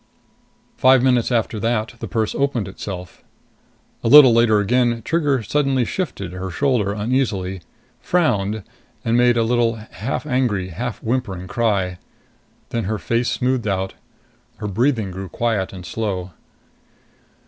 Five minutes after that, the purse opened itself. A little later again, Trigger suddenly shifted her shoulder uneasily, frowned and made a little half angry, half whimpering cry. Then her face smoothed out. Her breathing grew quiet and slow.